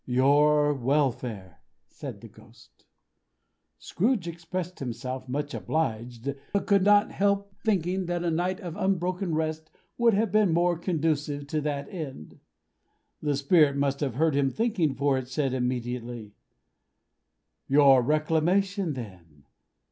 "Your welfare!" said the Ghost. Scrooge expressed himself much obliged, but could not help thinking that a night of unbroken rest would have been more conducive to that end. The Spirit must have heard him thinking, for it said immediately: "Your reclamation, then.